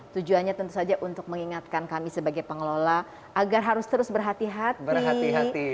tujuannya tentu saja untuk mengingatkan kami sebagai pengelola agar harus terus berhati hati